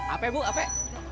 apa bu apa